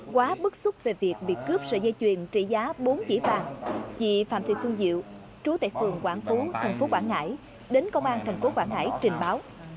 quá bức xúc về việc bị cướp sợi dây chuyền trị giá bốn dĩa bàn chị phạm thị xuân diệu trú tại phường quảng phú thành phố quảng ngãi đến công an thành phố quảng ngãi trình báo